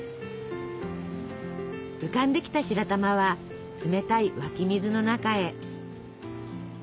浮かんできた白玉は冷たい湧き水の中へ。